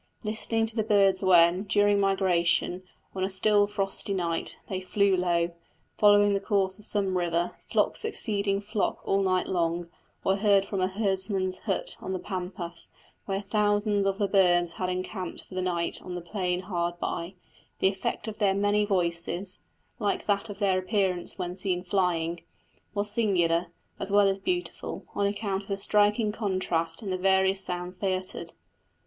Listening to the birds when, during migration, on a still frosty night, they flew low, following the course of some river, flock succeeding flock all night long; or heard from a herdsman's hut on the pampas, when thousands of the birds had encamped for the night on the plain hard by, the effect of their many voices (like that of their appearance when seen flying) was singular, as well as beautiful, on account of the striking contrasts in the various sounds they uttered.